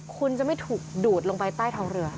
คุณจะไม่ถูกดูดลงไปใต้ท้องเรือ